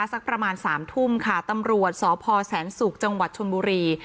สักประมาณสามทุ่มค่ะตำรวจสพแสนศุกร์จังหวัดชนบุรี